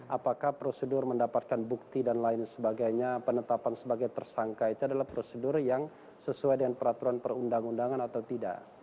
apakah prosedur mendapatkan bukti dan lain sebagainya penetapan sebagai tersangka itu adalah prosedur yang sesuai dengan peraturan perundang undangan atau tidak